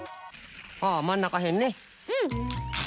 ああまんなかへんね。